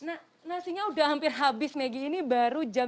uih nasinya sudah hampir habis megi ini baru jam sembilan lima belas